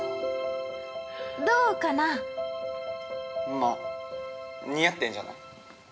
まぁ似合ってんじゃない。